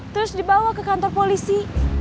terus dibawa ke kantor polisi